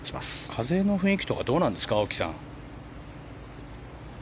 風の雰囲気とかどうなんですか。